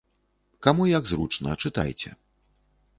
Каму як зручна, чытайце.